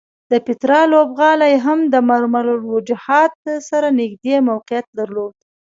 د پیترا لوبغالی هم د ممر الوجحات سره نږدې موقعیت درلود.